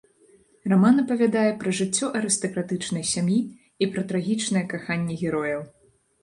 Раман апавядае пра жыццё арыстакратычнай сям'і і пра трагічнае каханне герояў.